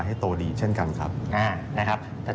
ในช่วงปลายปี